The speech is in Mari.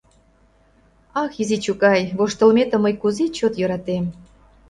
— Ах, изи чукай, воштылметым мый кузе чот йӧратем!